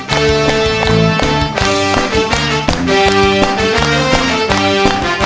เต้นสักพักนึงก่อน